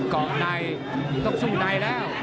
เกาะในต้องสู้ในแล้ว